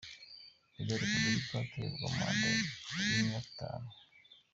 “Perezida wa Repubulika atorerwa manda y’imyaka itanu.